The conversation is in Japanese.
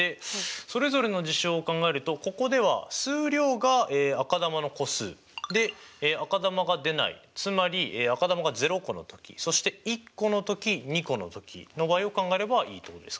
それぞれの事象を考えるとここでは数量が赤球の個数。で赤球が出ないつまり赤球が０個の時そして１個の時２個の時の場合を考えればいいってことですかね？